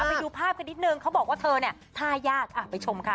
ไปดูภาพกันนิดนึงเขาบอกว่าเธอเนี่ยท่ายากไปชมค่ะ